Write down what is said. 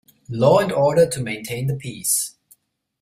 Law and order to maintain the peace.